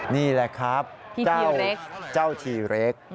นี่แหละครับเจ้าทีเล็ก